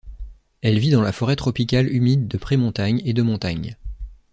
Elle vit dans la forêt tropicale humide de pré-montagne et de montagne.